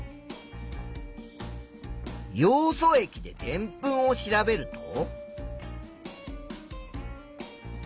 ヨウ素液ででんぷんを調べると。